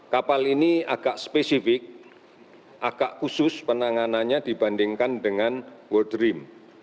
kapal ini agak spesifik agak khusus penanganannya dibandingkan dengan world dream